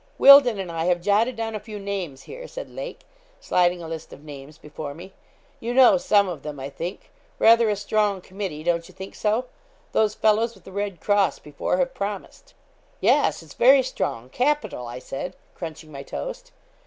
'Wealdon and I have jotted down a few names here,' said Lake, sliding a list of names before me; 'you know some of them, I think rather a strong committee; don't you think so? Those fellows with the red cross before have promised.' 'Yes; it's very strong capital!' I said, crunching my toast.